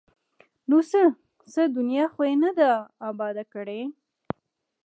ـ نو څه؟ څه دنیا خو یې نه ده اباده کړې!